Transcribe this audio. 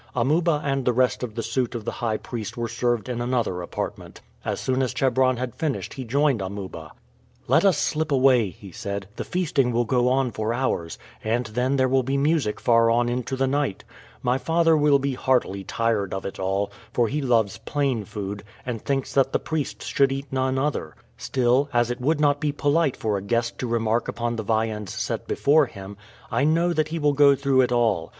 Amuba and the rest of the suit of the high priest were served in another apartment. As soon as Chebron had finished he joined Amuba. "Let us slip away," he said. "The feasting will go on for hours, and then there will be music far on into the night. My father will be heartily tired of it all; for he loves plain food, and thinks that the priests should eat none other. Still, as it would not be polite for a guest to remark upon the viands set before him, I know that he will go through it all.